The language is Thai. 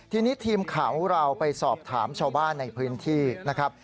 ทีนี้ทีมข่าวของเราไปสอบถามชาวบ้านในพื้นที่นะครับ